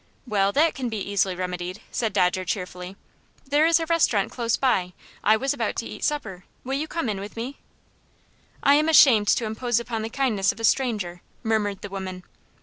"Well, that can be easily remedied," said Dodger, cheerfully. "There is a restaurant close by. I was about to eat supper. Will you come in with me?" "I am ashamed to impose upon the kindness of a stranger," murmured the woman.